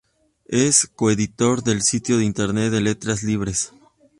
Es coeditor del sitio de internet de Letras Libres.